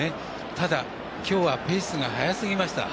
ただ今日はペースが速すぎました。